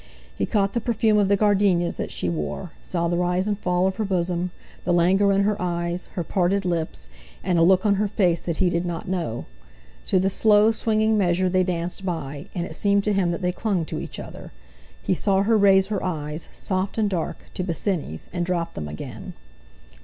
He caught the perfume of the gardenias that she wore, saw the rise and fall of her bosom, the languor in her eyes, her parted lips, and a look on her face that he did not know. To the slow, swinging measure they danced by, and it seemed to him that they clung to each other; he saw her raise her eyes, soft and dark, to Bosinney's, and drop them again.